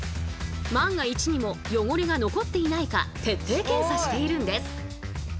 万が一にも汚れが残っていないか徹底検査しているんです。